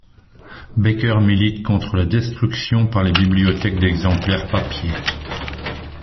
Baker milite contre la destruction par les bibliothèques d'exemplaires papier.